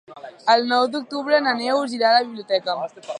El nou d'octubre na Neus irà a la biblioteca.